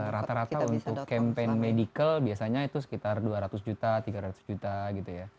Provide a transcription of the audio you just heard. rata rata untuk campaign medical biasanya itu sekitar dua ratus juta tiga ratus juta gitu ya